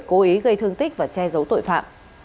cố ý gây thương tích và che giấu tội phạm